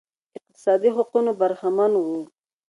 اقتصادي حقونو برخمن وو